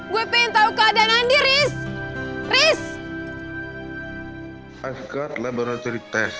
gue pengen tau keadaan andi riz